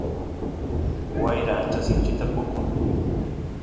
wayra ancha sinchita pukun